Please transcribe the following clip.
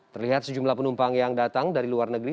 terlihat sejumlah penumpang yang datang dari luar negeri